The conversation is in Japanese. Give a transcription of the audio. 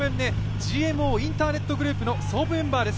ＧＭＯインターネットグループの創部メンバーです。